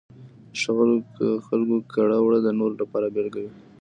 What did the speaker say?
د ښه خلکو کړه وړه د نورو لپاره بېلګه وي.